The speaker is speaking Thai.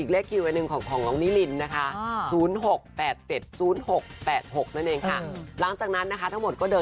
เรื่องกับครูก็๐๖๘๖